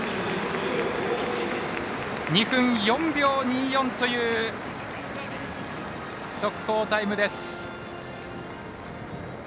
２分４秒２４という速報タイムです。